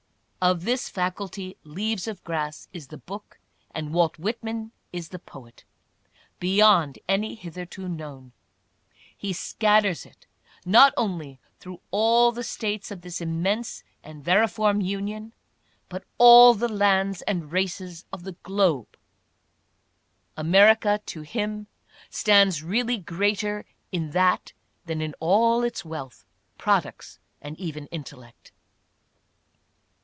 Of this faculty "Leaves of Grass" is the book, and Walt Whitman is the poet, beyond any hitherto known : he scat! not only through all the States of this immense and variform Union, but ail the lands and races of the globe. America, to GILCHRIST— WILLIAMS. 27 him, stands really greater in that than in all its wealth, products and even intellect.